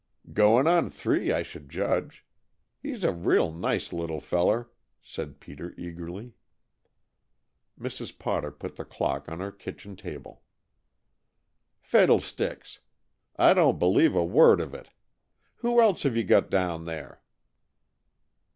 "Goin' on three, I should judge. He's a real nice little feller," said Peter eagerly. Mrs. Potter put the clock on her kitchen table. "Fiddlesticks! I don't believe a word of it. Who else have you got down there?"